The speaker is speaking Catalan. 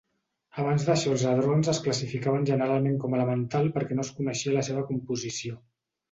Abans d'això els hadrons es classificaven generalment com a elemental perquè no es coneixia la seva composició.